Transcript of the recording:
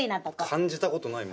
感じたことない。